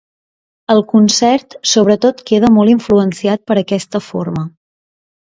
El concert, sobretot queda molt influenciat per aquesta forma.